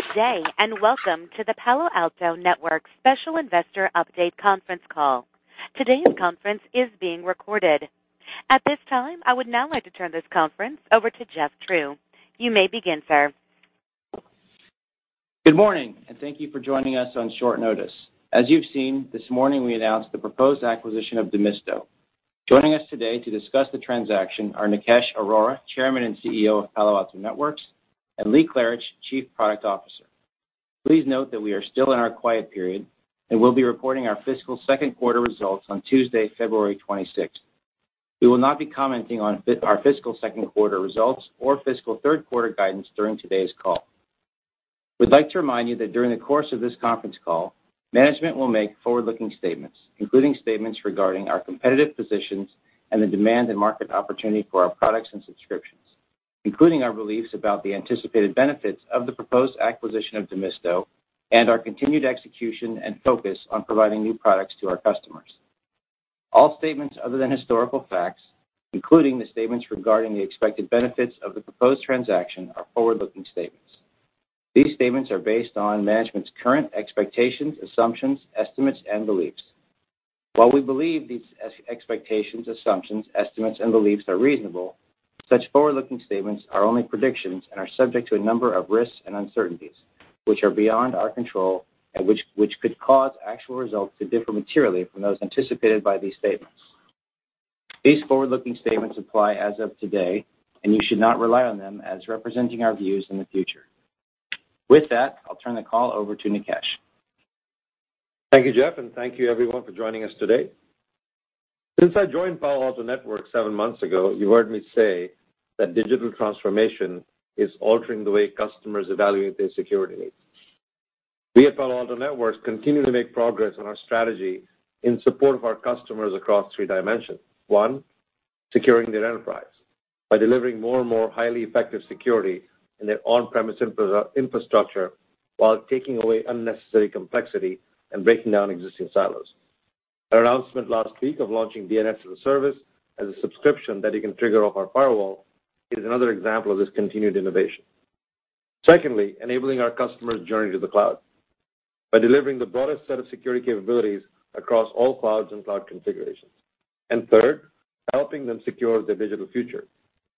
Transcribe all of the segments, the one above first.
Good day, welcome to the Palo Alto Networks special investor update conference call. Today's conference is being recorded. At this time, I would now like to turn this conference over to Jeffrey True. You may begin, sir. Good morning, thank you for joining us on short notice. As you've seen, this morning we announced the proposed acquisition of Demisto. Joining us today to discuss the transaction are Nikesh Arora, Chairman and CEO of Palo Alto Networks, and Lee Klarich, Chief Product Officer. Please note that we are still in our quiet period and will be reporting our fiscal second quarter results on Tuesday, February 26th. We will not be commenting on our fiscal second quarter results or fiscal third quarter guidance during today's call. We'd like to remind you that during the course of this conference call, management will make forward-looking statements, including statements regarding our competitive positions and the demand and market opportunity for our products and subscriptions, including our beliefs about the anticipated benefits of the proposed acquisition of Demisto and our continued execution and focus on providing new products to our customers. All statements other than historical facts, including the statements regarding the expected benefits of the proposed transaction, are forward-looking statements. These statements are based on management's current expectations, assumptions, estimates, and beliefs. While we believe these expectations, assumptions, estimates, and beliefs are reasonable, such forward-looking statements are only predictions and are subject to a number of risks and uncertainties, which are beyond our control and which could cause actual results to differ materially from those anticipated by these statements. These forward-looking statements apply as of today, and you should not rely on them as representing our views in the future. With that, I'll turn the call over to Nikesh. Thank you, Jeff, thank you, everyone, for joining us today. Since I joined Palo Alto Networks seven months ago, you've heard me say that digital transformation is altering the way customers evaluate their security needs. We at Palo Alto Networks continue to make progress on our strategy in support of our customers across three dimensions. One, securing their enterprise by delivering more and more highly effective security in their on-premise infrastructure while taking away unnecessary complexity and breaking down existing silos. Our announcement last week of launching DNS as a service, as a subscription that you can trigger off our firewall, is another example of this continued innovation. Secondly, enabling our customers' journey to the cloud by delivering the broadest set of security capabilities across all clouds and cloud configurations. Third, helping them secure their digital future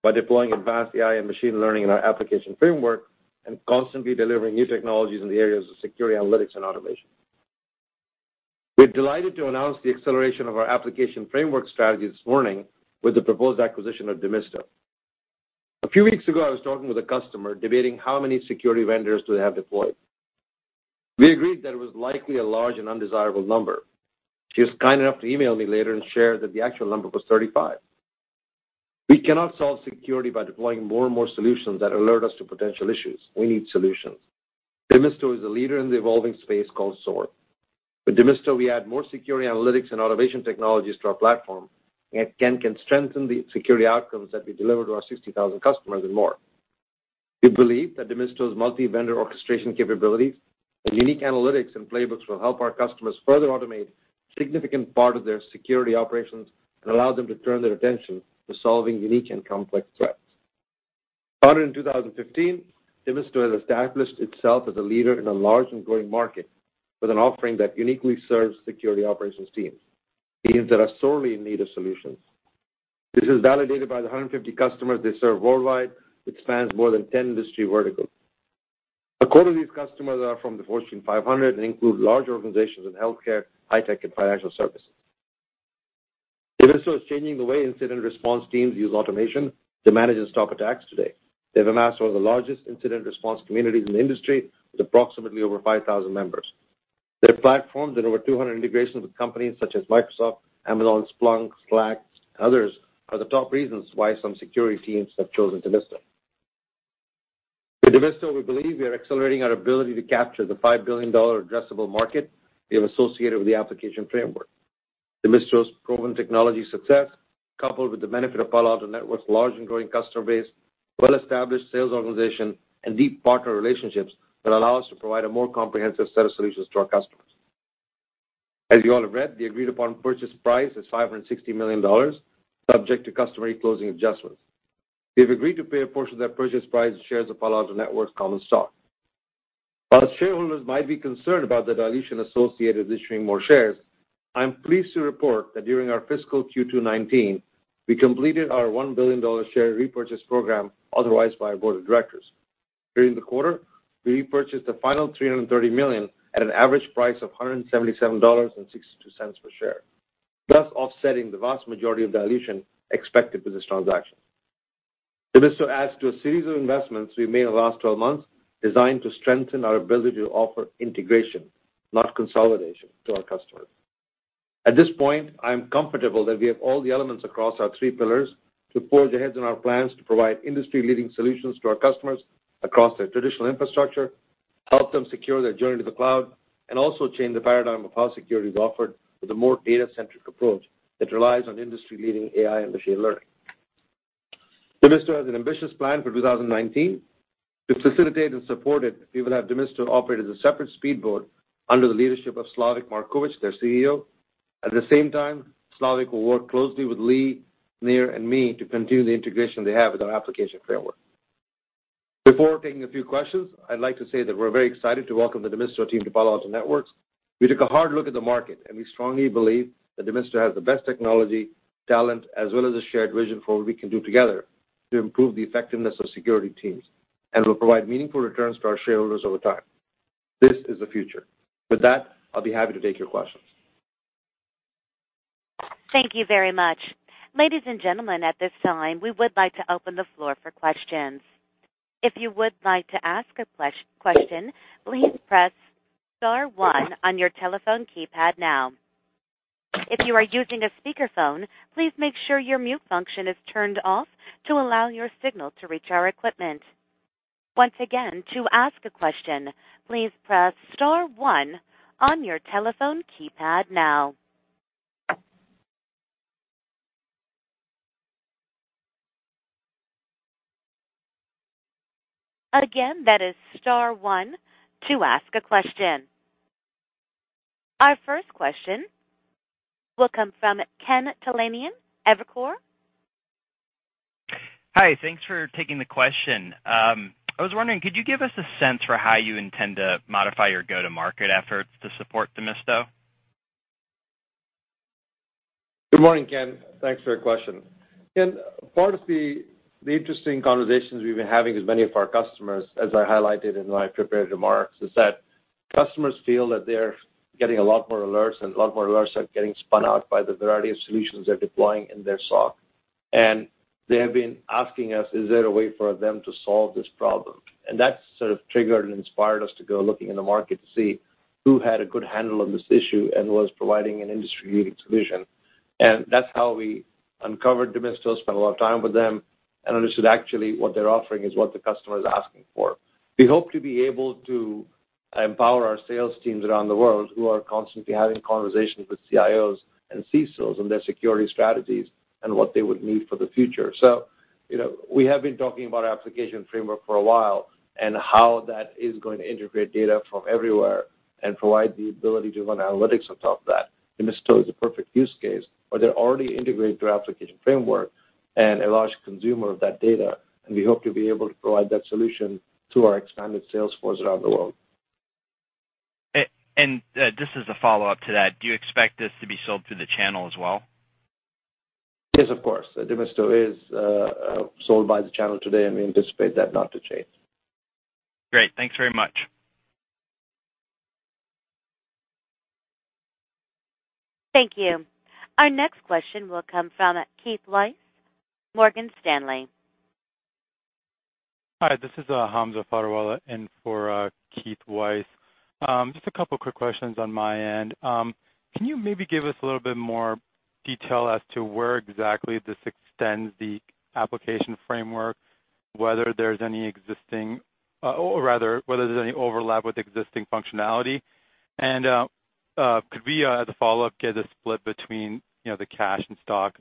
by deploying advanced AI and machine learning in our Application Framework and constantly delivering new technologies in the areas of security, analytics, and automation. We're delighted to announce the acceleration of our Application Framework strategy this morning with the proposed acquisition of Demisto. A few weeks ago, I was talking with a customer debating how many security vendors do they have deployed. We agreed that it was likely a large and undesirable number. She was kind enough to email me later and share that the actual number was 35. We cannot solve security by deploying more and more solutions that alert us to potential issues. We need solutions. Demisto is a leader in the evolving space called SOAR. With Demisto, we add more security, analytics, and automation technologies to our platform and can strengthen the security outcomes that we deliver to our 60,000 customers and more. We believe that Demisto's multi-vendor orchestration capabilities and unique analytics and playbooks will help our customers further automate a significant part of their security operations and allow them to turn their attention to solving unique and complex threats. Founded in 2015, Demisto has established itself as a leader in a large and growing market with an offering that uniquely serves security operations teams that are sorely in need of solutions. This is validated by the 150 customers they serve worldwide, which spans more than 10 industry verticals. A quarter of these customers are from the Fortune 500 and include large organizations in healthcare, high-tech, and financial services. Demisto is changing the way incident response teams use automation to manage and stop attacks today. They've amassed one of the largest incident response communities in the industry, with approximately over 5,000 members. Their platforms and over 200 integrations with companies such as Microsoft, Amazon, Splunk, Slack, and others are the top reasons why some security teams have chosen Demisto. With Demisto, we believe we are accelerating our ability to capture the $5 billion addressable market we have associated with the Application Framework. Demisto's proven technology success, coupled with the benefit of Palo Alto Networks' large and growing customer base, well-established sales organization, and deep partner relationships, will allow us to provide a more comprehensive set of solutions to our customers. As you all have read, the agreed-upon purchase price is $560 million, subject to customary closing adjustments. We have agreed to pay a portion of that purchase price in shares of Palo Alto Networks common stock. While shareholders might be concerned about the dilution associated with issuing more shares, I am pleased to report that during our fiscal Q2 2019, we completed our $1 billion share repurchase program authorized by our board of directors. During the quarter, we repurchased the final $330 million at an average price of $177.62 per share, thus offsetting the vast majority of dilution expected with this transaction. Demisto adds to a series of investments we've made in the last 12 months designed to strengthen our ability to offer integration, not consolidation, to our customers. At this point, I am comfortable that we have all the elements across our three pillars to forge ahead in our plans to provide industry-leading solutions to our customers across their traditional infrastructure, help them secure their journey to the cloud, and also change the paradigm of how security is offered with a more data-centric approach that relies on industry-leading AI and machine learning. Demisto has an ambitious plan for 2019. To facilitate and support it, we will have Demisto operate as a separate speed boat under the leadership of Slavik Markovich, their CEO. At the same time, Slavik will work closely with Lee, Nir, and me to continue the integration they have with our Application Framework. Before taking a few questions, I'd like to say that we're very excited to welcome the Demisto team to Palo Alto Networks. We took a hard look at the market, and we strongly believe that Demisto has the best technology, talent, as well as a shared vision for what we can do together to improve the effectiveness of security teams, and will provide meaningful returns for our shareholders over time. This is the future. With that, I'll be happy to take your questions. Thank you very much. Ladies and gentlemen, at this time, we would like to open the floor for questions. If you would like to ask a question, please press star one on your telephone keypad now. If you are using a speakerphone, please make sure your mute function is turned off to allow your signal to reach our equipment. Once again, to ask a question, please press star one on your telephone keypad now. Again, that is star one to ask a question. Our first question will come from Kirk Materne, Evercore. Hi. Thanks for taking the question. I was wondering, could you give us a sense for how you intend to modify your go-to-market efforts to support Demisto? Good morning, Kirk. Thanks for your question. Kirk, part of the interesting conversations we've been having with many of our customers, as I highlighted in my prepared remarks, is that customers feel that they're getting a lot more alerts, a lot more alerts are getting spun out by the variety of solutions they're deploying in their SOC. They have been asking us, is there a way for them to solve this problem? That sort of triggered and inspired us to go looking in the market to see who had a good handle on this issue and was providing an industry-leading solution. That's how we uncovered Demisto, spent a lot of time with them, and understood actually what they're offering is what the customer is asking for. We hope to be able to empower our sales teams around the world who are constantly having conversations with CIOs and CSOs on their security strategies and what they would need for the future. We have been talking about our Application Framework for a while and how that is going to integrate data from everywhere and provide the ability to run analytics on top of that. Demisto is a perfect use case, where they're already integrated through our Application Framework and a large consumer of that data. We hope to be able to provide that solution to our expanded sales force around the world. Just as a follow-up to that, do you expect this to be sold through the channel as well? Yes, of course. Demisto is sold by the channel today, and we anticipate that not to change. Great. Thanks very much. Thank you. Our next question will come from Keith Weiss, Morgan Stanley. Hi, this is Hamza Fodderwala in for Keith Weiss. Just a couple of quick questions on my end. Can you maybe give us a little bit more detail as to where exactly this extends the Application Framework, whether there's any existing whether there's any overlap with existing functionality? Could we, as a follow-up, get a split between the cash and stock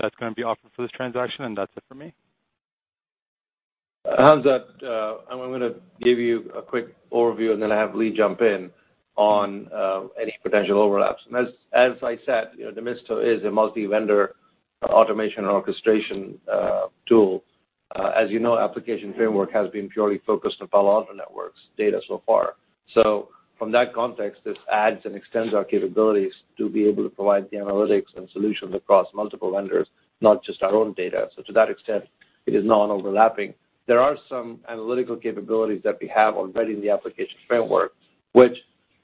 that's going to be offered for this transaction? That's it for me. Hamza, I'm going to give you a quick overview and then have Lee jump in on any potential overlaps. As I said, Demisto is a multi-vendor automation and orchestration tool. As you know, Application Framework has been purely focused on Palo Alto Networks data so far. From that context, this adds and extends our capabilities to be able to provide the analytics and solutions across multiple vendors, not just our own data. To that extent, it is non-overlapping. There are some analytical capabilities that we have already in the Application Framework, which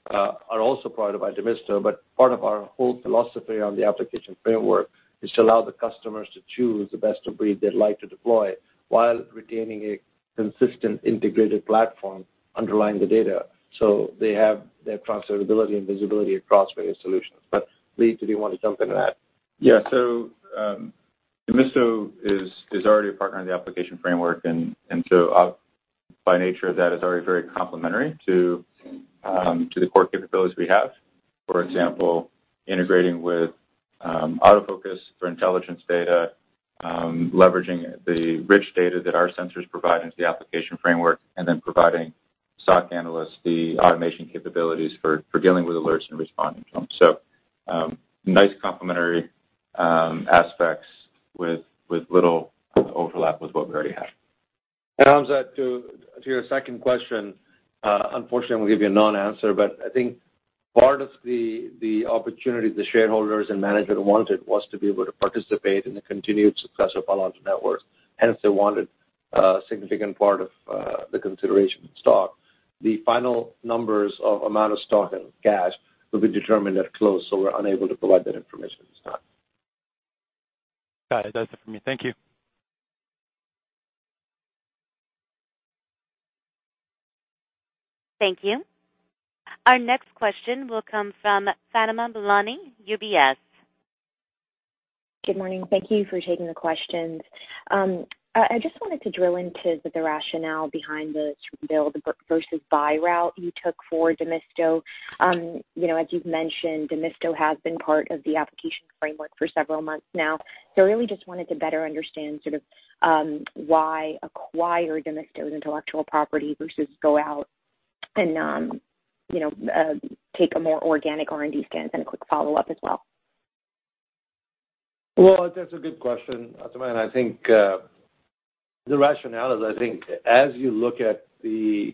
are also part of our Demisto. Part of our whole philosophy on the Application Framework is to allow the customers to choose the best of breed they'd like to deploy while retaining a consistent integrated platform underlying the data. They have their transferability and visibility across various solutions. Lee, did you want to jump into that? Demisto is already a partner in the Application Framework, by nature, that is already very complementary to the core capabilities we have. For example, integrating with AutoFocus for intelligence data, leveraging the rich data that our sensors provide into the Application Framework, providing SOC analysts the automation capabilities for dealing with alerts and responding to them. Nice complementary aspects with little overlap with what we already have. Hamza, to your second question, unfortunately, I'm going to give you a non-answer, but I think part of the opportunity the shareholders and management wanted was to be able to participate in the continued success of Palo Alto Networks, hence they wanted a significant part of the consideration in stock. The final numbers of amount of stock and cash will be determined at close, we're unable to provide that information at this time. Got it. That's it from me. Thank you. Thank you. Our next question will come from Fatima Boolani, UBS. Good morning. Thank you for taking the questions. I just wanted to drill into the rationale behind the build versus buy route you took for Demisto. As you've mentioned, Demisto has been part of the Application Framework for several months now. I really just wanted to better understand sort of why acquire Demisto's intellectual property versus go out and take a more organic R&D stance and a quick follow-up as well. That's a good question, Fatima, I think the rationale is, I think as you look at the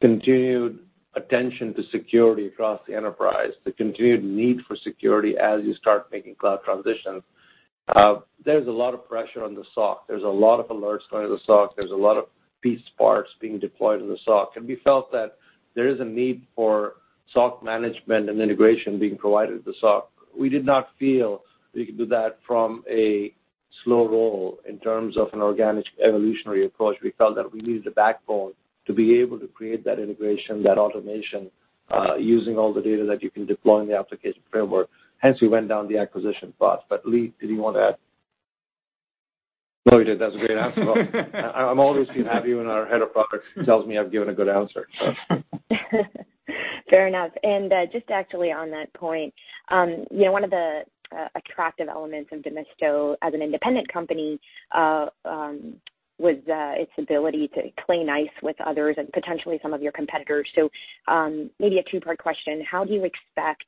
continued attention to security across the enterprise, the continued need for security as you start making cloud transitions, there's a lot of pressure on the SOC. There's a lot of alerts going to the SOC. There's a lot of piece parts being deployed in the SOC, and we felt that there is a need for SOC management and integration being provided to SOC. We did not feel we could do that from a slow roll in terms of an organic evolutionary approach. We felt that we needed a backbone to be able to create that integration, that automation, using all the data that you can deploy in the Application Framework. Hence, we went down the acquisition path. Lee, did you want to add? He did. That's a great answer. I'm always happy when our head of product tells me I've given a good answer. Fair enough. Just actually on that point, one of the attractive elements of Demisto as an independent company, was its ability to play nice with others and potentially some of your competitors. Maybe a two-part question. How do you expect,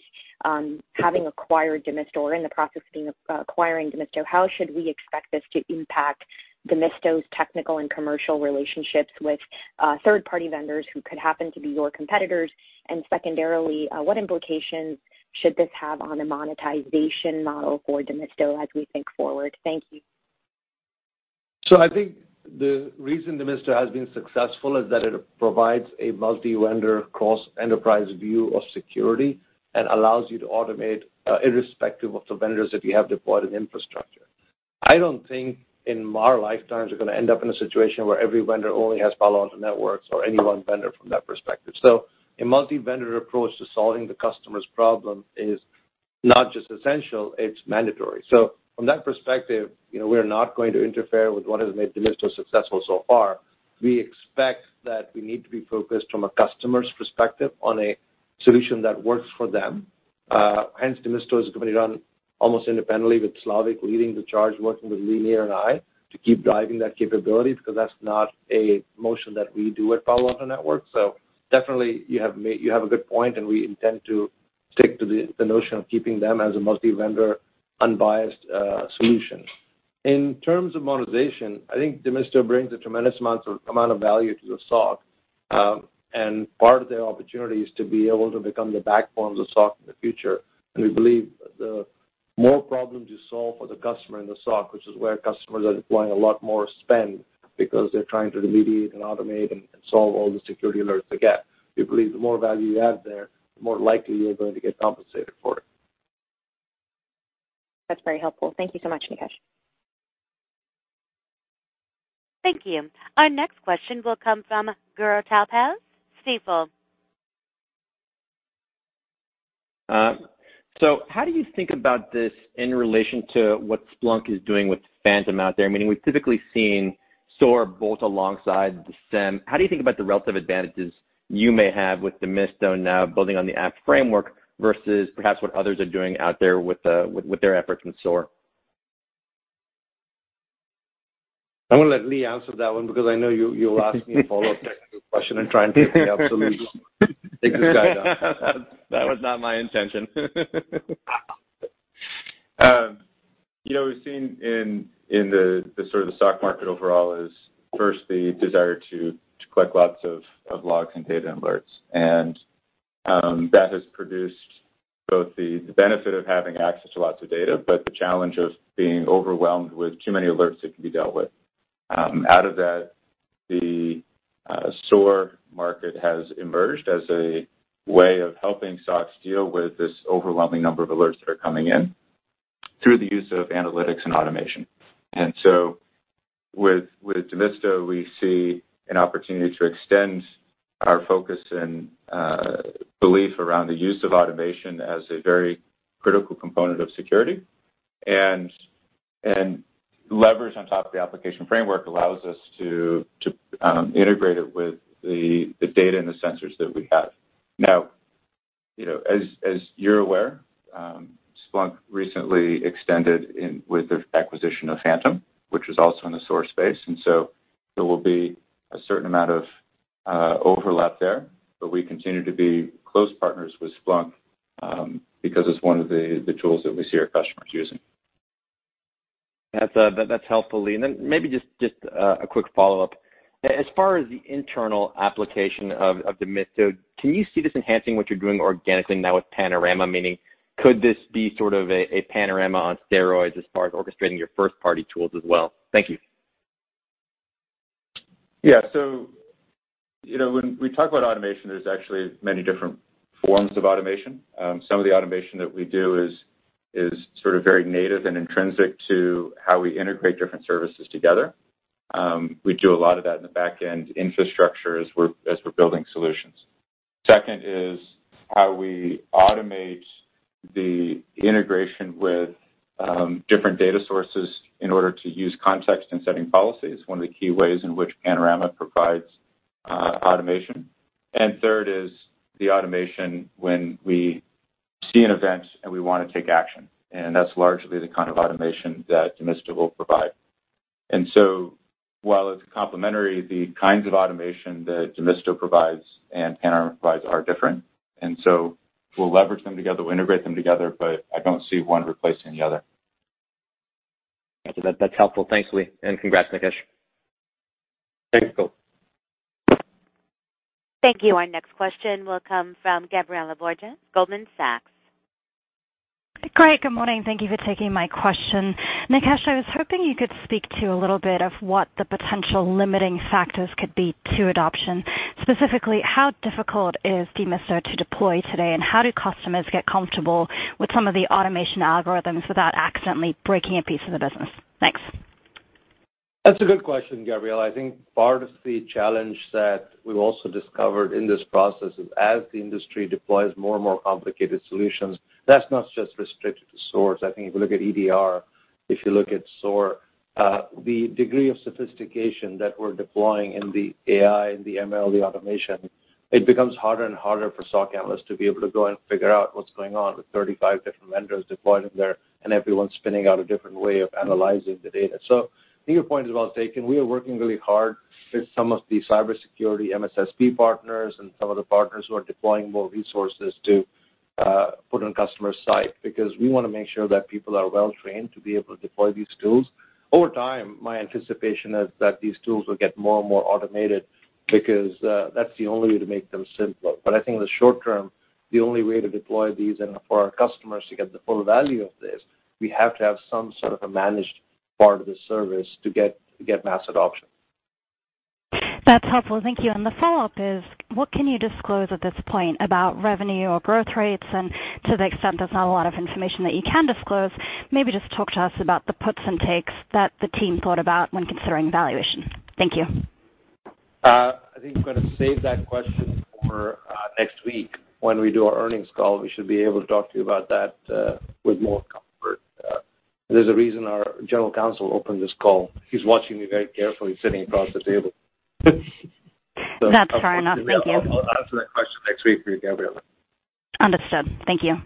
having acquired Demisto or in the process of acquiring Demisto, how should we expect this to impact Demisto's technical and commercial relationships with third-party vendors who could happen to be your competitors? Secondarily, what implications should this have on the monetization model for Demisto as we think forward? Thank you. I think the reason Demisto has been successful is that it provides a multi-vendor cross-enterprise view of security and allows you to automate irrespective of the vendors that you have deployed in infrastructure. I don't think in our lifetimes we're going to end up in a situation where every vendor only has Palo Alto Networks or any one vendor from that perspective. A multi-vendor approach to solving the customer's problem is not just essential, it's mandatory. From that perspective, we're not going to interfere with what has made Demisto successful so far. We expect that we need to be focused from a customer's perspective on a solution that works for them. Hence, Demisto is a company run almost independently with Slavik leading the charge, working with Lee, Nir, and I to keep driving that capability because that's not a motion that we do at Palo Alto Networks. Definitely you have a good point, we intend to stick to the notion of keeping them as a multi-vendor, unbiased solution. In terms of monetization, I think Demisto brings a tremendous amount of value to the SOC, part of their opportunity is to be able to become the backbone of the SOC in the future. We believe the more problems you solve for the customer in the SOC, which is where customers are deploying a lot more spend because they're trying to remediate and automate and solve all the security alerts they get. We believe the more value you add there, the more likely you're going to get compensated for it. That's very helpful. Thank you so much, Nikesh. Thank you. Our next question will come from Gur Talpaz, Stifel. How do you think about this in relation to what Splunk is doing with Phantom out there? Meaning we've typically seen SOAR bolt alongside the SIEM. How do you think about the relative advantages you may have with Demisto now building on the App Framework versus perhaps what others are doing out there with their efforts in SOAR? I'm going to let Lee answer that one because I know you will ask me a follow-up technical question and try and take me out. Lee, take this guy down. That was not my intention. We've seen in the sort of the SOC market overall is first the desire to collect lots of logs and data and alerts. That has produced both the benefit of having access to lots of data, but the challenge of being overwhelmed with too many alerts that can be dealt with. Out of that, the SOAR market has emerged as a way of helping SOCs deal with this overwhelming number of alerts that are coming in through the use of analytics and automation. With Demisto, we see an opportunity to extend our focus and belief around the use of automation as a very critical component of security and leverage on top of the Application Framework allows us to integrate it with the data and the sensors that we have. Now, as you're aware, Splunk recently extended with the acquisition of Phantom, which is also in the SOAR space. There will be a certain amount of overlap there. We continue to be close partners with Splunk, because it's one of the tools that we see our customers using. That's helpful, Lee. Maybe just a quick follow-up. As far as the internal application of Demisto, can you see this enhancing what you're doing organically now with Panorama? Meaning could this be sort of a Panorama on steroids as far as orchestrating your first-party tools as well? Thank you. Yeah. When we talk about automation, there's actually many different forms of automation. Some of the automation that we do is sort of very native and intrinsic to how we integrate different services together. We do a lot of that in the back-end infrastructure as we're building solutions. Second is how we automate the integration with different data sources in order to use context in setting policies, one of the key ways in which Panorama provides automation. Third is the automation when we see an event, and we want to take action, and that's largely the kind of automation that Demisto will provide. While it's complementary, the kinds of automation that Demisto provides and PAN provides are different. We'll leverage them together, we'll integrate them together, but I don't see one replacing the other. That's helpful. Thanks, Lee, and congrats, Nikesh. Thanks, Cole. Thank you. Our next question will come from Gabriela Borges, Goldman Sachs. Great. Good morning. Thank you for taking my question. Nikesh, I was hoping you could speak to a little bit of what the potential limiting factors could be to adoption. Specifically, how difficult is Demisto to deploy today, and how do customers get comfortable with some of the automation algorithms without accidentally breaking a piece of the business? Thanks. That's a good question, Gabriela. I think part of the challenge that we've also discovered in this process is as the industry deploys more and more complicated solutions, that's not just restricted to SOAR. I think if you look at EDR, if you look at SOAR, the degree of sophistication that we're deploying in the AI, in the ML, the automation, it becomes harder and harder for SOC analysts to be able to go and figure out what's going on with 35 different vendors deployed in there, and everyone's spinning out a different way of analyzing the data. I think your point is well taken. We are working really hard with some of the cybersecurity MSSP partners and some of the partners who are deploying more resources to put on customer site because we want to make sure that people are well-trained to be able to deploy these tools. Over time, my anticipation is that these tools will get more and more automated because that's the only way to make them simpler. I think in the short term, the only way to deploy these and for our customers to get the full value of this, we have to have some sort of a managed part of the service to get mass adoption. That's helpful. Thank you. The follow-up is, what can you disclose at this point about revenue or growth rates? To the extent there's not a lot of information that you can disclose, maybe just talk to us about the puts and takes that the team thought about when considering valuation. Thank you. I think I'm going to save that question for next week when we do our earnings call. We should be able to talk to you about that with more comfort. There's a reason our General Counsel opened this call. He's watching me very carefully, sitting across the table. That's fair enough. Thank you. I'll answer that question next week for you, Gabriela. Understood. Thank you.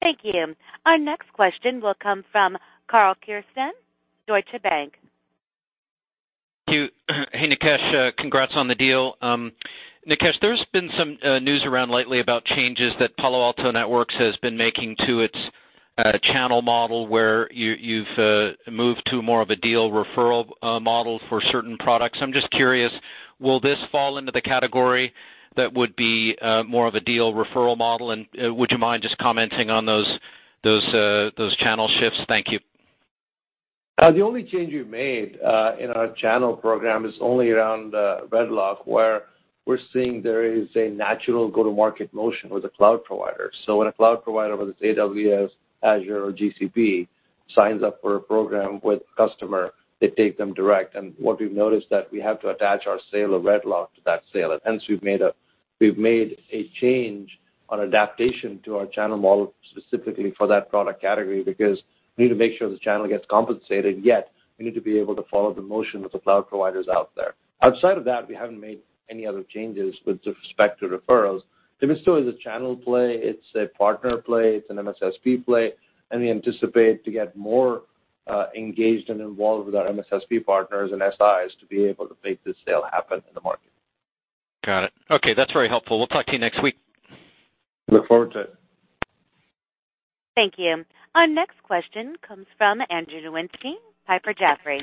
Thank you. Our next question will come from Karl Keirstead, Deutsche Bank. Thank you. Hey, Nikesh. Congrats on the deal. Nikesh, there's been some news around lately about changes that Palo Alto Networks has been making to its channel model, where you've moved to more of a deal referral model for certain products. I'm just curious, will this fall into the category that would be more of a deal referral model, and would you mind just commenting on those channel shifts? Thank you. The only change we've made in our channel program is only around RedLock, where we're seeing there is a natural go-to-market motion with the cloud provider. When a cloud provider, whether it's AWS, Azure, or GCP, signs up for a program with a customer, they take them direct. What we've noticed that we have to attach our sale of RedLock to that sale. Hence, we've made a change on adaptation to our channel model specifically for that product category because we need to make sure the channel gets compensated, yet we need to be able to follow the motion of the cloud providers out there. Outside of that, we haven't made any other changes with respect to referrals. Demisto is a channel play, it's a partner play, it's an MSSP play. We anticipate to get more engaged and involved with our MSSP partners and SIs to be able to make this sale happen in the market. Got it. Okay. That's very helpful. We'll talk to you next week. Look forward to it. Thank you. Our next question comes from Andrew Nowinski, Piper Jaffray.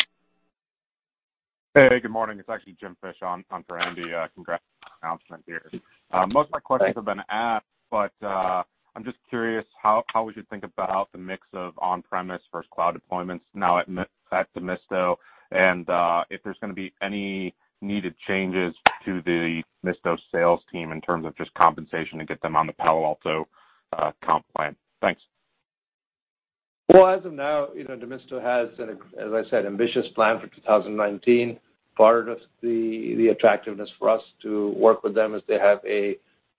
Hey, good morning. It's actually James Fish on for Andy. Congrats on the announcement here. Most of my questions have been asked, but I'm just curious how we should think about the mix of on-premise versus cloud deployments now at Demisto and if there's going to be any needed changes to the Demisto sales team in terms of just compensation to get them on the Palo Alto comp plan. Thanks. Well, as of now, Demisto has, as I said, ambitious plan for 2019. Part of the attractiveness for us to work with them is they have a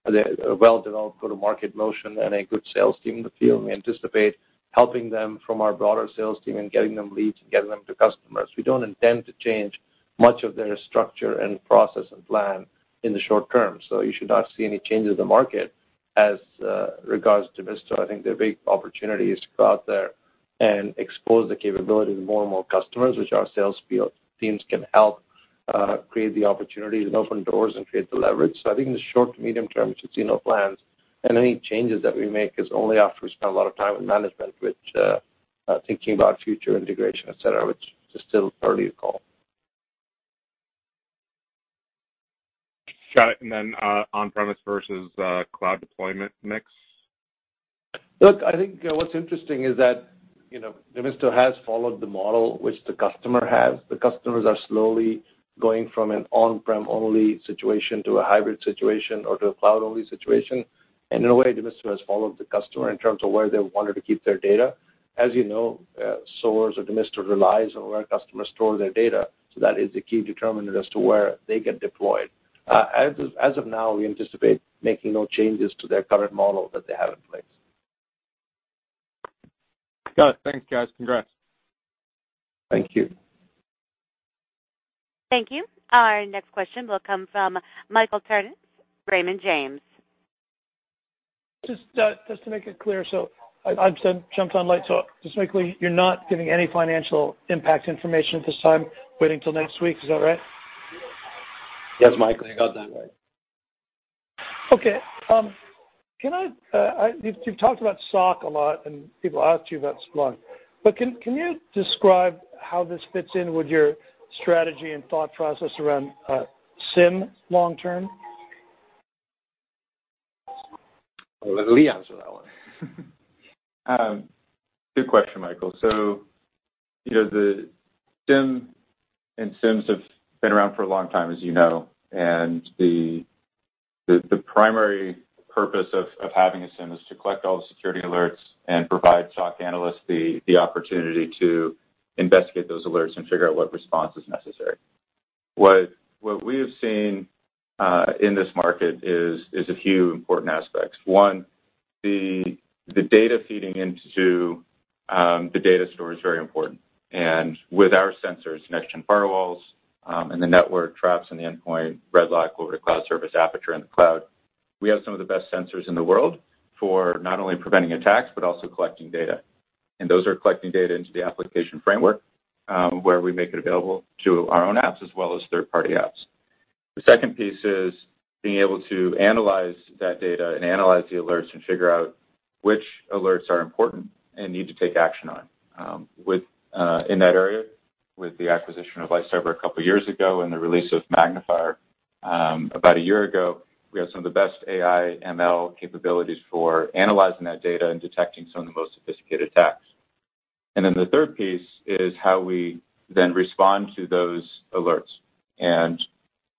well-developed go-to-market motion and a good sales team in the field. We anticipate helping them from our broader sales team and getting them leads and getting them to customers. We don't intend to change much of their structure and process and plan in the short term. You should not see any change in the market as regards Demisto. I think the big opportunity is to go out there and expose the capabilities to more and more customers, which our sales teams can help create the opportunities and open doors and create the leverage. I think in the short to medium term, you should see no plans, and any changes that we make is only after we spend a lot of time with management, which thinking about future integration, et cetera, which is still early to call. Got it. Then on-premise versus cloud deployment mix? Look, I think what's interesting is that Demisto has followed the model which the customer has. The customers are slowly going from an on-prem only situation to a hybrid situation or to a cloud-only situation. In a way, Demisto has followed the customer in terms of where they wanted to keep their data. As you know, SOARs or Demisto relies on where customers store their data. That is a key determinant as to where they get deployed. As of now, we anticipate making no changes to their current model that they have in place. Got it. Thanks, guys. Congrats. Thank you. Thank you. Our next question will come from Michael Turits, Raymond James. Just to make it clear, I've jumped on late, just make it clear, you're not giving any financial impact information at this time, waiting till next week. Is that right? Yes, Michael, you got that right. Okay. You've talked about SOC a lot, and people ask you about SOC, but can you describe how this fits in with your strategy and thought process around SIEM long term? Let Lee answer that one. Good question, Michael. The SIEM and SIEMs have been around for a long time, as you know, the primary purpose of having a SIEM is to collect all the security alerts and provide SOC analysts the opportunity to investigate those alerts and figure out what response is necessary. What we have seen in this market is a few important aspects. One, the data feeding into the data store is very important, with our sensors, next-gen firewalls and the network Traps and the endpoint, RedLock over the cloud service Aperture in the cloud. We have some of the best sensors in the world for not only preventing attacks but also collecting data. Those are collecting data into the Application Framework, where we make it available to our own apps as well as third-party apps. The second piece is being able to analyze that data and analyze the alerts and figure out which alerts are important and need to take action on. In that area, with the acquisition of LightCyber a couple of years ago and the release of Magnifier about a year ago, we have some of the best AI ML capabilities for analyzing that data and detecting some of the most sophisticated attacks. The third piece is how we then respond to those alerts.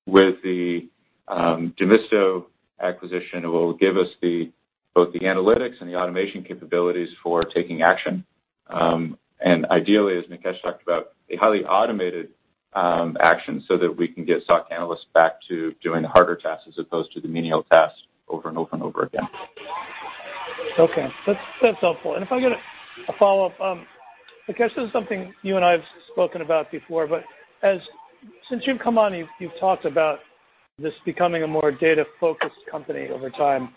With the Demisto acquisition, it will give us both the analytics and the automation capabilities for taking action. Ideally, as Nikesh talked about, a highly automated action so that we can get SOC analysts back to doing the harder tasks as opposed to the menial tasks over and over and over again. Okay. That's helpful. If I get a follow-up. Nikesh, this is something you and I have spoken about before, but since you've come on, you've talked about this becoming a more data-focused company over time.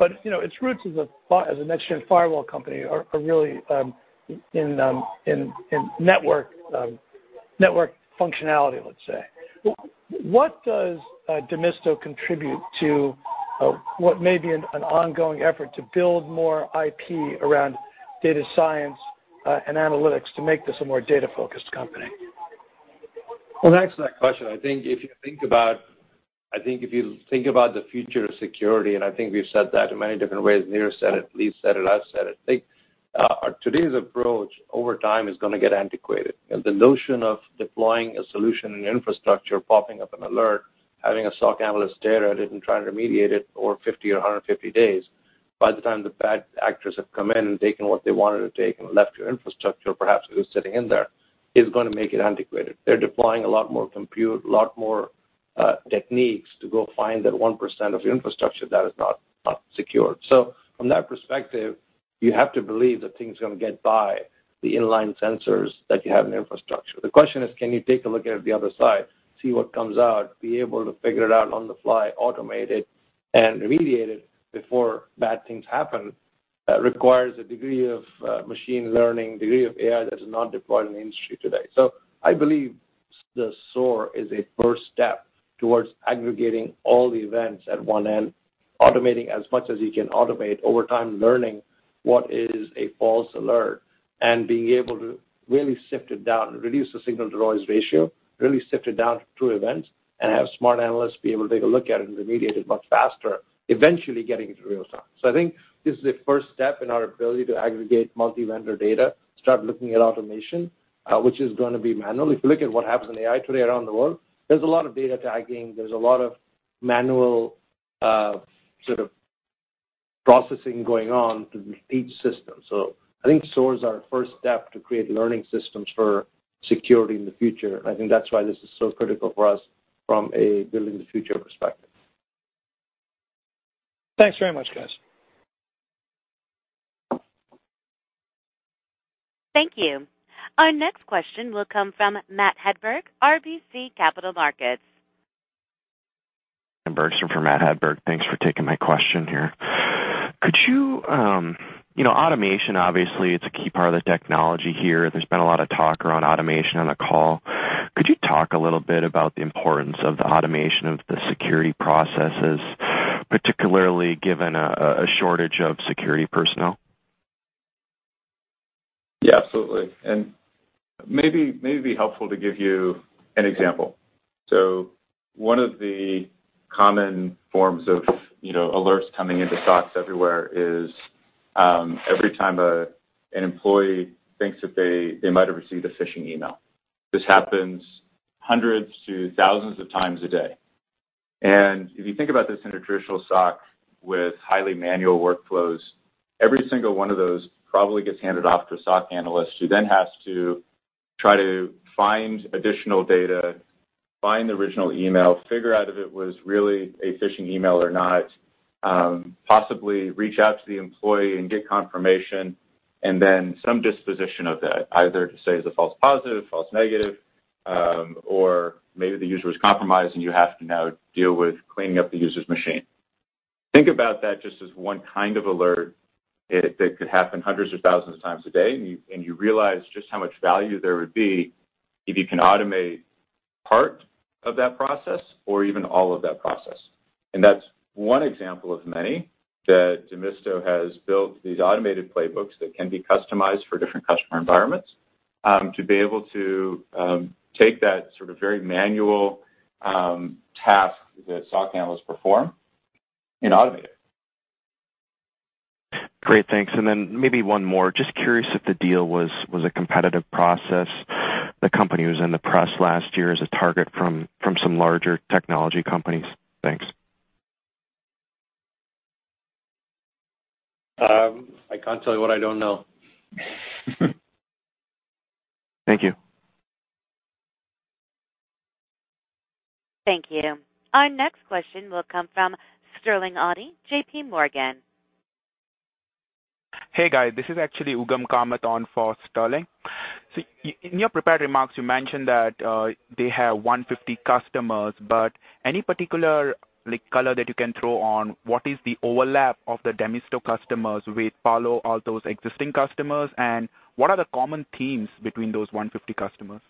Its roots as a next-gen firewall company are really in network functionality, let's say. What does Demisto contribute to what may be an ongoing effort to build more IP around data science and analytics to make this a more data-focused company? Well, thanks for that question. I think if you think about the future of security, I think we've said that in many different ways. Nir said it, Lee said it, I've said it. I think today's approach over time is going to get antiquated. The notion of deploying a solution and infrastructure, popping up an alert, having a SOC analyst stare at it and try and remediate it over 50 or 150 days, by the time the bad actors have come in and taken what they wanted to take and left your infrastructure, perhaps who's sitting in there, is going to make it antiquated. They're deploying a lot more compute, a lot more techniques to go find that 1% of your infrastructure that is not secured. From that perspective, you have to believe that things are going to get by the inline sensors that you have in the infrastructure. The question is, can you take a look at it the other side, see what comes out, be able to figure it out on the fly, automate it, and remediate it before bad things happen? That requires a degree of machine learning, a degree of AI that is not deployed in the industry today. I believe the SOAR is a first step towards aggregating all the events at one end, automating as much as you can automate over time, learning what is a false alert, being able to really sift it down and reduce the signal-to-noise ratio, really sift it down to events and have smart analysts be able to take a look at it and remediate it much faster, eventually getting it to real time. I think this is the first step in our ability to aggregate multi-vendor data, start looking at automation, which is going to be manual. If you look at what happens in AI today around the world, there's a lot of data tagging, there's a lot of manual sort of processing going on through each system. I think SOAR is our first step to create learning systems for security in the future. I think that's why this is so critical for us from a building the future perspective. Thanks very much, guys. Thank you. Our next question will come from Matt Hedberg, RBC Capital Markets. Bergstrom for Matt Hedberg, thanks for taking my question here. Automation, obviously, it's a key part of the technology here. There's been a lot of talk around automation on the call. Could you talk a little bit about the importance of the automation of the security processes, particularly given a shortage of security personnel? Absolutely. Maybe it'd be helpful to give you an example. One of the common forms of alerts coming into SOCs everywhere is every time an employee thinks that they might have received a phishing email. This happens hundreds to thousands of times a day. If you think about this in a traditional SOC with highly manual workflows, every single one of those probably gets handed off to a SOC analyst who then has to try to find additional data, find the original email, figure out if it was really a phishing email or not, possibly reach out to the employee and get confirmation, and then some disposition of that, either to say it's a false positive, false negative, or maybe the user is compromised and you have to now deal with cleaning up the user's machine. Think about that just as one kind of alert that could happen hundreds or thousands of times a day. You realize just how much value there would be if you can automate part of that process or even all of that process. That's one example of many that Demisto has built these automated playbooks that can be customized for different customer environments, to be able to take that sort of very manual task that SOC analysts perform and automate it. Great. Thanks. Maybe one more. Just curious if the deal was a competitive process. The company was in the press last year as a target from some larger technology companies. Thanks. I can't tell you what I don't know. Thank you. Thank you. Our next question will come from Sterling Auty, JPMorgan. Hey, guys. This is actually Ugam Kamat on for Sterling. In your prepared remarks, you mentioned that they have 150 customers, any particular color that you can throw on what is the overlap of the Demisto customers with Palo Alto's existing customers, and what are the common themes between those 150 customers?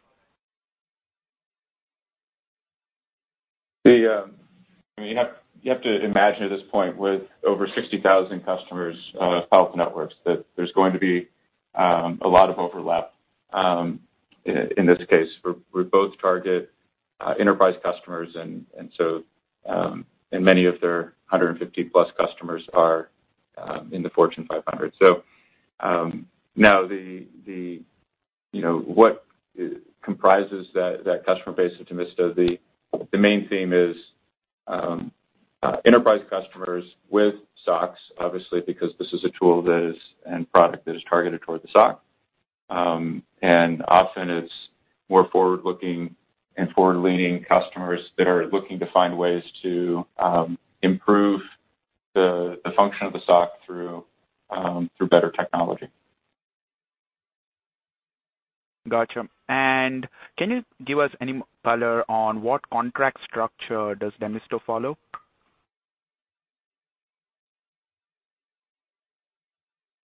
You have to imagine at this point, with over 60,000 customers, Palo Alto Networks, that there's going to be a lot of overlap. In this case, we both target enterprise customers, and many of their 150-plus customers are in the Fortune 500. Now what comprises that customer base at Demisto, the main theme is enterprise customers with SOCs, obviously, because this is a tool and product that is targeted towards the SOC. Often, it's more forward-looking and forward-leaning customers that are looking to find ways to improve the function of the SOC through better technology. Got you. Can you give us any color on what contract structure does Demisto follow?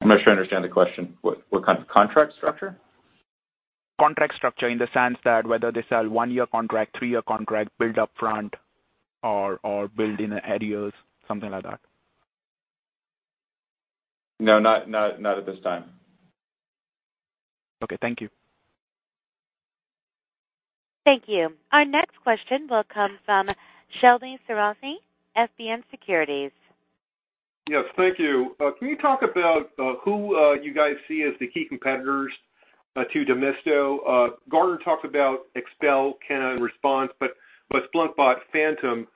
I'm not sure I understand the question. What kind of contract structure? Contract structure in the sense that whether they sell one-year contract, three-year contract, build up front or build in the add years, something like that. No, not at this time. Okay. Thank you. Thank you. Our next question will come from Shebly Seyrafi, SBN Securities. Thank you. Can you talk about who you guys see as the key competitors to Demisto? Gartner talked about Expel, Canon, Response, Splunk bought Phantom.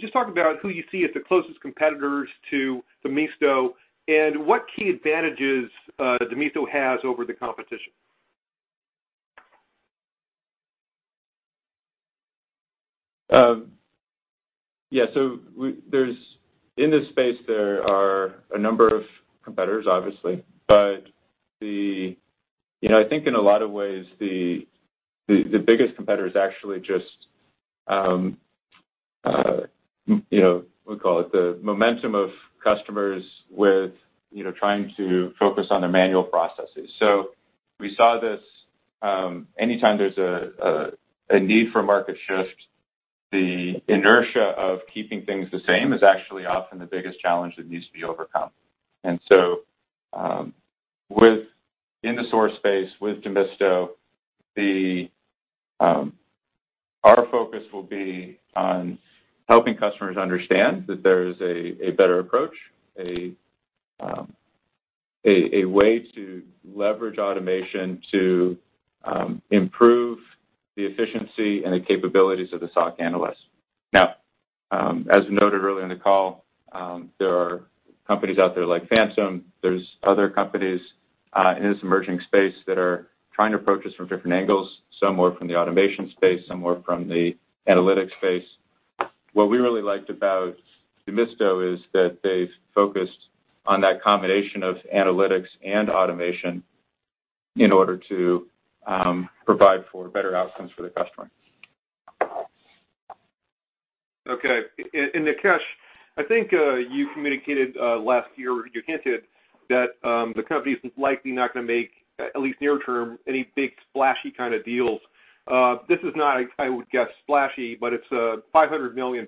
Just talk about who you see as the closest competitors to Demisto and what key advantages Demisto has over the competition. In this space, there are a number of competitors, obviously, I think in a lot of ways, the biggest competitor is actually just, what do you call it, the momentum of customers with trying to focus on their manual processes. We saw this, anytime there's a need for a market shift, the inertia of keeping things the same is actually often the biggest challenge that needs to be overcome. In the SOAR space with Demisto, our focus will be on helping customers understand that there is a better approach, a way to leverage automation to improve the efficiency and the capabilities of the SOC analyst. As we noted earlier in the call, there are companies out there like Phantom. There's other companies in this emerging space that are trying to approach us from different angles, some more from the automation space, some more from the analytics space. What we really liked about Demisto is that they've focused on that combination of analytics and automation in order to provide for better outcomes for the customer. Okay. Nikesh, I think you communicated last year, or you hinted, that the company's likely not going to make, at least near term, any big splashy kind of deals. This is not, I would guess, splashy, but it's $500 million+.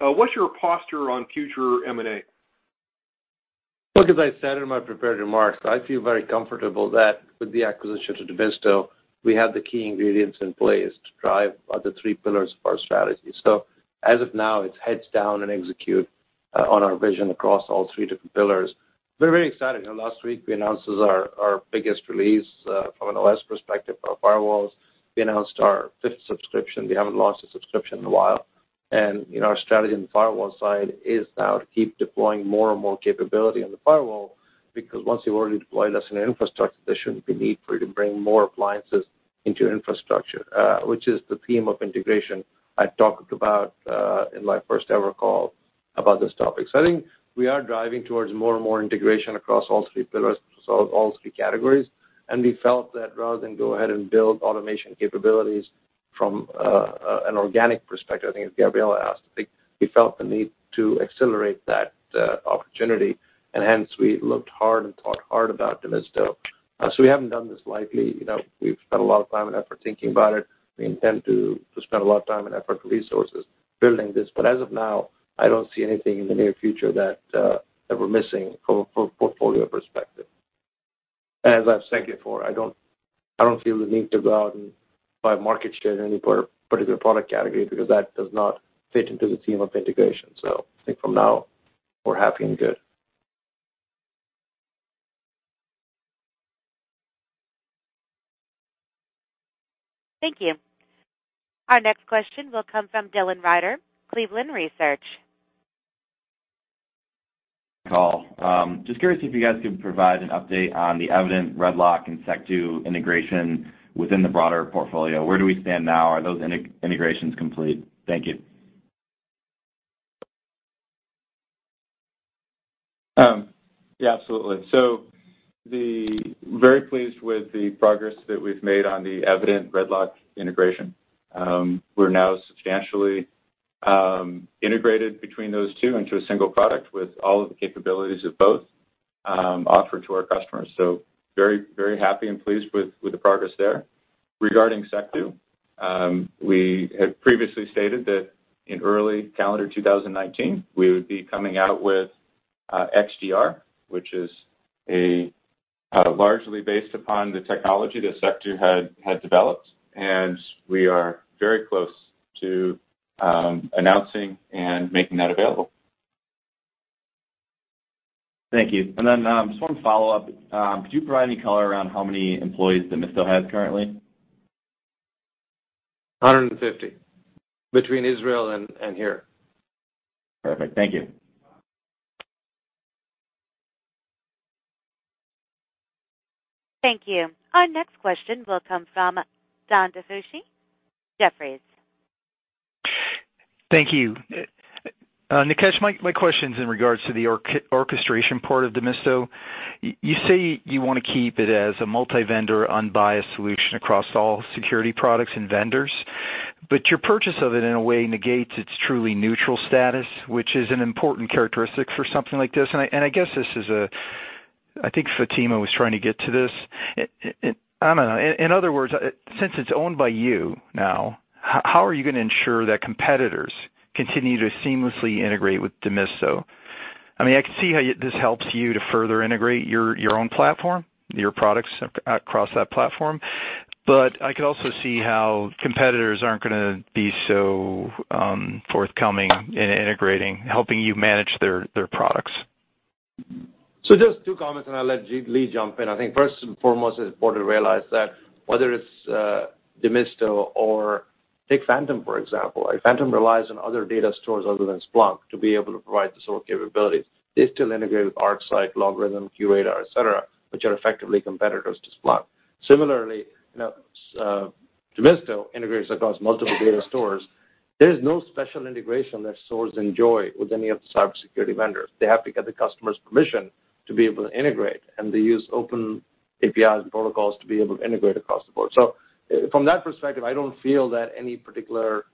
What's your posture on future M&A? Look, as I said in my prepared remarks, I feel very comfortable that with the acquisition to Demisto, we have the key ingredients in place to drive the 3 pillars of our strategy. As of now, it's heads down and execute on our vision across all 3 different pillars. We're very excited. Last week, we announced our biggest release from an OS perspective for our firewalls. We announced our fifth subscription. We haven't launched a subscription in a while. Our strategy on the firewall side is now to keep deploying more and more capability on the firewall Once you've already deployed us in an infrastructure, there shouldn't be need for you to bring more appliances into infrastructure, which is the theme of integration I talked about in my first ever call about this topic. I think we are driving towards more and more integration across all 3 pillars, so all 3 categories. We felt that rather than go ahead and build automation capabilities from an organic perspective, I think as Gabriela asked, we felt the need to accelerate that opportunity, and hence we looked hard and thought hard about Demisto. We haven't done this lightly. We've spent a lot of time and effort thinking about it. We intend to spend a lot of time and effort resources building this. As of now, I don't see anything in the near future that we're missing from a portfolio perspective. As I've said before, I don't feel the need to go out and buy market share in any particular product category because that does not fit into the theme of integration. I think from now, we're happy and good. Thank you. Our next question will come from Dylan Reider, Cleveland Research. Cole. Just curious if you guys could provide an update on the Evident.io RedLock and Secdo integration within the broader portfolio. Where do we stand now? Are those integrations complete? Thank you. Yeah, absolutely. Very pleased with the progress that we've made on the Evident.io RedLock integration. We're now substantially integrated between those two into a single product with all of the capabilities of both offered to our customers. Very happy and pleased with the progress there. Regarding Secdo, we had previously stated that in early calendar 2019, we would be coming out with XDR, which is a largely based upon the technology that Secdo had developed, and we are very close to announcing and making that available. Thank you. Just want to follow up. Could you provide any color around how many employees Demisto has currently? 150 between Israel and here. Perfect. Thank you. Thank you. Our next question will come from John DiFucci, Jefferies. Thank you. Nikesh, my question's in regards to the orchestration part of Demisto. You say you want to keep it as a multi-vendor, unbiased solution across all security products and vendors, your purchase of it, in a way, negates its truly neutral status, which is an important characteristic for something like this. I guess this is I think Fatima was trying to get to this. I don't know. In other words, since it's owned by you now, how are you going to ensure that competitors continue to seamlessly integrate with Demisto? I can see how this helps you to further integrate your own platform, your products across that platform, I could also see how competitors aren't gonna be so forthcoming in integrating, helping you manage their products. Just two comments, and I'll let Lee jump in. I think first and foremost, it's important to realize that whether it's Demisto or take Phantom, for example. Phantom relies on other data stores other than Splunk to be able to provide the sort of capabilities. They still integrate with ArcSight, LogRhythm, QRadar, et cetera, which are effectively competitors to Splunk. Similarly, Demisto integrates across multiple data stores. There is no special integration that SOARs enjoy with any of the cybersecurity vendors. They have to get the customer's permission to be able to integrate, and they use open APIs and protocols to be able to integrate across the board. From that perspective, I don't feel that any particular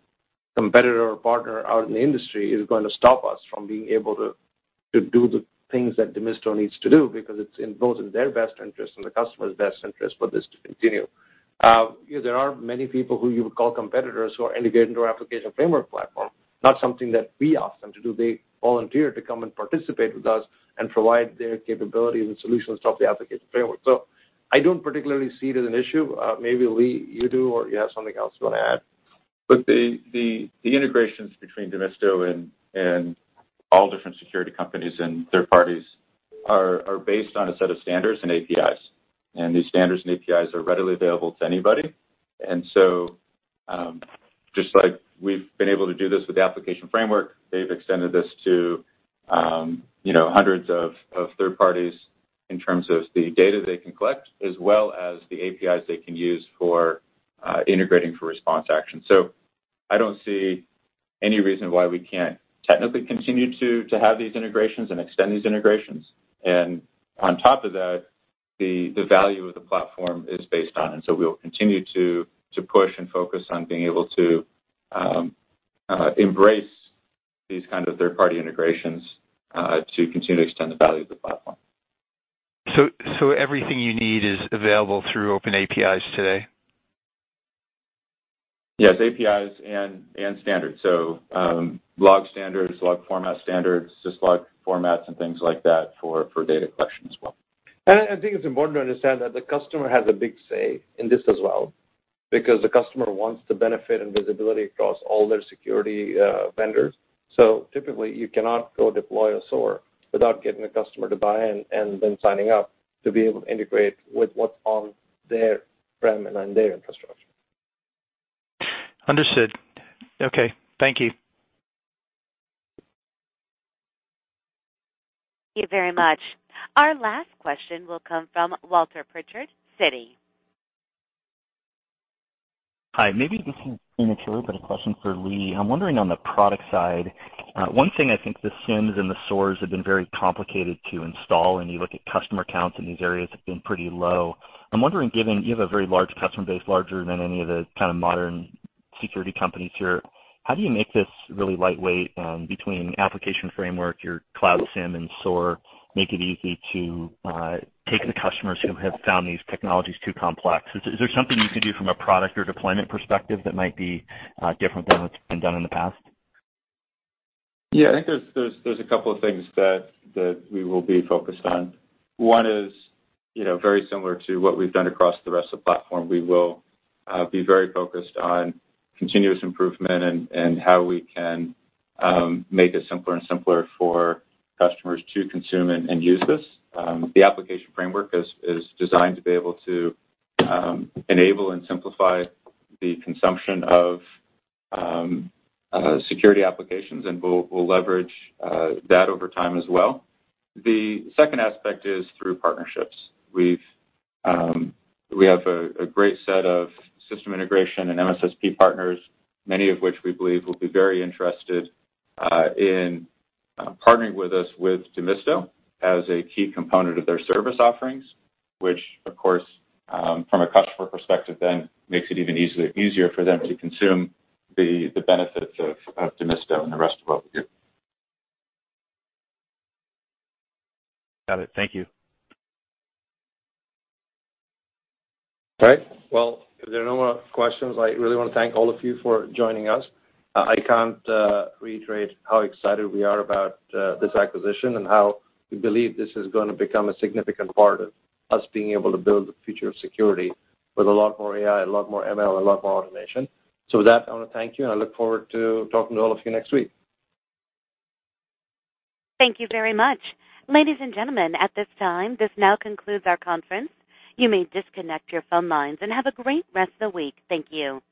competitor or partner out in the industry is going to stop us from being able to do the things that Demisto needs to do because it's both in their best interest and the customer's best interest for this to continue. There are many people who you would call competitors who are integrating into our Application Framework platform, not something that we ask them to do. They volunteer to come and participate with us and provide their capabilities and solutions to the Application Framework. I don't particularly see it as an issue. Maybe Lee, you do, or you have something else you want to add? The integrations between Demisto and all different security companies and third parties are based on a set of standards and APIs. These standards and APIs are readily available to anybody. Just like we've been able to do this with the Application Framework, they've extended this to hundreds of third parties in terms of the data they can collect, as well as the APIs they can use for integrating for response action. I don't see any reason why we can't technically continue to have these integrations and extend these integrations. On top of that, the value of the platform is based on, we will continue to push and focus on being able to embrace these kind of third-party integrations, to continue to extend the value of the platform. everything you need is available through open APIs today? Yes, APIs and standards. log standards, log format standards, syslog formats, and things like that for data collection as well. I think it's important to understand that the customer has a big say in this as well, because the customer wants the benefit and visibility across all their security vendors. Typically, you cannot go deploy a SOAR without getting a customer to buy-in and then signing up to be able to integrate with what's on their prem and on their infrastructure. Understood. Okay. Thank you. Thank you very much. Our last question will come from Walter Pritchard, Citi. Hi. Maybe this is premature, but a question for Lee. I'm wondering on the product side, one thing I think the SIEMs and the SOARs have been very complicated to install, and you look at customer counts in these areas have been pretty low. I'm wondering, given you have a very large customer base, larger than any of the kind of modern security companies here, how do you make this really lightweight between Application Framework, your cloud SIEM and SOAR, make it easy to take the customers who have found these technologies too complex? Is there something you can do from a product or deployment perspective that might be different than what's been done in the past? Yeah, I think there's a couple of things that we will be focused on. One is very similar to what we've done across the rest of the platform. We will be very focused on continuous improvement and how we can make it simpler and simpler for customers to consume and use this. The Application Framework is designed to be able to enable and simplify the consumption of security applications, and we'll leverage that over time as well. The second aspect is through partnerships. We have a great set of system integration and MSSP partners, many of which we believe will be very interested in partnering with us with Demisto as a key component of their service offerings, which of course, from a customer perspective then makes it even easier for them to consume the benefits of Demisto and the rest of what we do. Got it. Thank you. Well, if there are no more questions, I really want to thank all of you for joining us. I can't reiterate how excited we are about this acquisition and how we believe this is going to become a significant part of us being able to build the future of security with a lot more AI, a lot more ML, a lot more automation. With that, I want to thank you, and I look forward to talking to all of you next week. Thank you very much. Ladies and gentlemen, at this time, this now concludes our conference. You may disconnect your phone lines and have a great rest of the week. Thank you.